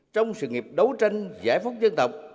trong sự nghiệp đấu tranh giải phóng dân tộc